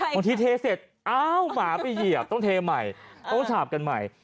บางทีเทเสร็จอ้าวหมาไปเหยียบต้องเทใหม่ต้องฉาบกันใหม่